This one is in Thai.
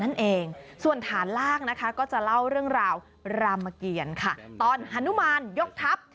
นั่นเองส่วนฐานล่างนะคะก็จะเล่าเรื่องราวรามเกียรค่ะตอนฮานุมานยกทัพ